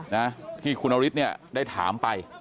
นะที่คุณนฤทธิ์เนี่ยได้ถามไป